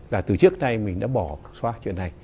là từ trước nay mình đã bỏ xóa chuyện này